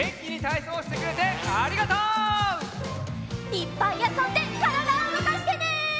いっぱいあそんでからだをうごかしてね！